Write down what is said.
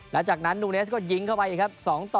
แล้วจากนั้นนูเนสก็ยิงเข้าไปครับ